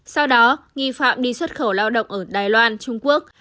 sau đó nghi phạm đi xuất khẩu lao động ở đài loan trung quốc